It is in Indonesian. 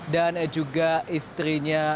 dan juga istrinya